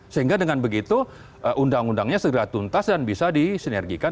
sehingga dengan begitu undang undangnya segera tuntas dan bisa disinergikan